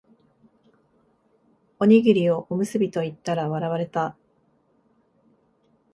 おにぎりをおむすびと言ったら笑われた